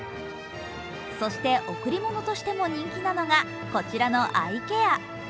そして贈り物として人気なのが、こちらのアイケア。